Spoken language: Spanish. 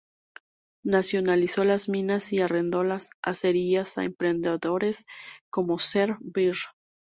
Nacionalizó las minas y arrendó las acerías a emprendedores como Cerf Beer.